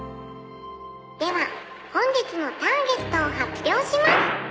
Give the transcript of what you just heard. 「では本日のターゲットを発表します！」